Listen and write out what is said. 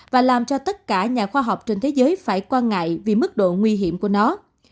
và làm cho tất cả nhà khoa học trên thế giới phải quan ngại vì mức độ nguy hiểm của nó